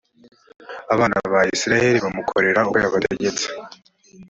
abana ba isirayeli bamukorera uko yabategetse